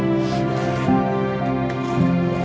aku mau denger